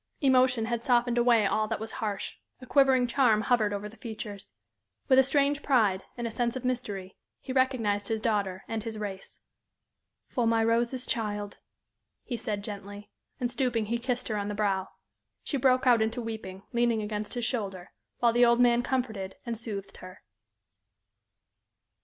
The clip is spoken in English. Emotion had softened away all that was harsh; a quivering charm hovered over the features. With a strange pride, and a sense of mystery, he recognized his daughter and his race. "For my Rose's child," he said, gently, and, stooping, he kissed her on the brow. She broke out into weeping, leaning against his shoulder, while the old man comforted and soothed her.